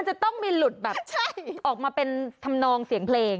จะต้องมีหลุดแบบออกมาเป็นทำนองเสียงเพลง